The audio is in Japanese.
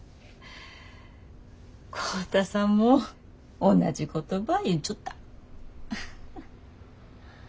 浩太さんも同じことば言っちょった。